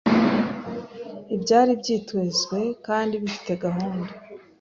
ibyari byitezwe kandi bifite gahunda.